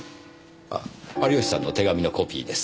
ああ有吉さんの手紙のコピーです。